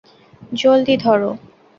জলদি, ধর।